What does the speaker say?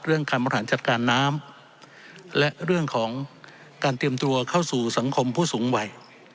การบริหารจัดการน้ำและเรื่องของการเตรียมตัวเข้าสู่สังคมผู้สูงวัย